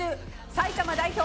埼玉代表